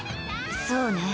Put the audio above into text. そうね。